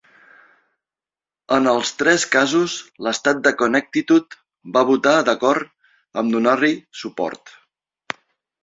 En els tres casos, l'estat de Connecticut va votar d'acord amb donar-hi suport.